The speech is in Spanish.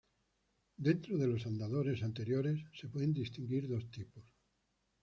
Dentro de los andadores anteriores, se pueden distinguir dos tipos.